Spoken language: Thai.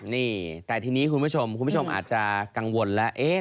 นี่แต่ทีนี้คุณผู้ชมคุณผู้ชมอาจจะกังวลแล้ว